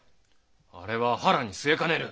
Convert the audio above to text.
あれは腹に据えかねる。